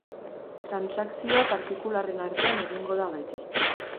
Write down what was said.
Transakzioa partikularren artean egingo da beti.